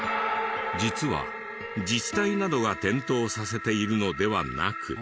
実は自治体などが点灯させているのではなく。